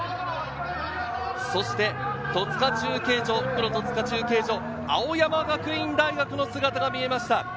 そして戸塚中継所、青山学院大学の姿が見えました。